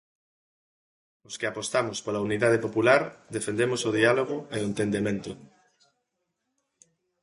Os que apostamos pola unidade popular, defendemos o diálogo e o entendemento.